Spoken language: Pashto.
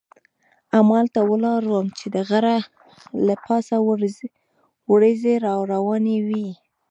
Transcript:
همالته ولاړ وم چې د غره له پاسه وریځې را روانې وې.